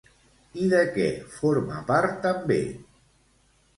I de què forma part també?